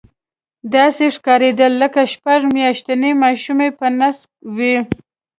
داسې ښکارېدل لکه شپږ میاشتنی ماشوم یې په نس وي.